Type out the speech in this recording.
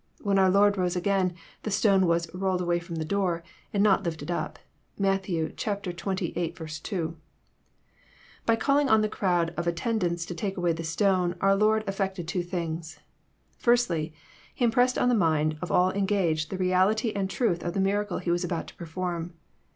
When our Lord rose again, the stone was rolled away ttom the door, and not lifted np. (Matt, xxviii. 2.) By calling on the crowd of attendants to take away the stone, our Lord effected two things. Firstly, He impressed on the mind of all engaged the reality and truth of the miracle He was about to perform.